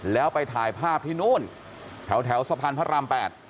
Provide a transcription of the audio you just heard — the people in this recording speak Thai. แล้วไปถ่ายภาพที่นู่นแถวสะพานพระราม๘